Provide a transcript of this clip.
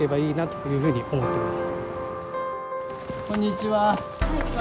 ・はいこんにちは。